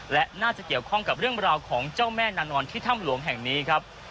และน่าจะเกี่ยวข้องกับเรื่องราวของเจ้าแม่นานอนที่ถ้ำหลวงแห่งนี้ครับ